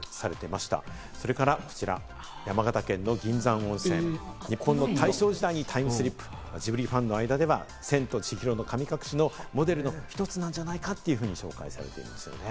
また、山形県の銀山温泉、日本の大正時代にタイムスリップ、ジブリファンの間では『千と千尋の神隠し』のモデルの１つなんじゃないかと紹介されていますね。